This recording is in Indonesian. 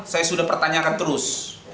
saya sudah bertanya terus